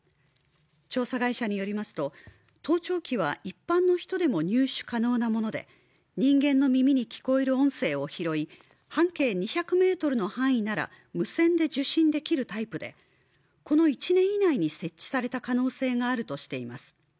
調査会社によりますと盗聴器は一般の人でも入手可能なもので人間の耳に聞こえる音声を拾い、半径２００ｍの範囲なら無線で受信できるタイプでこの１年以内に設置された可能性があるとしています。